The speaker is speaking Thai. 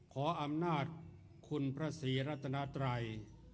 ขออำนาจคุณพระศรีรัตนาไตร